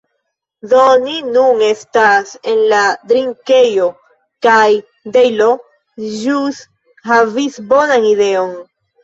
Do ni nun estas en la drinkejo, kaj Dejlo ĵus havis bonan ideon.